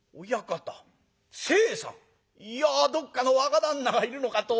いやどっかの若旦那がいるのかと思った。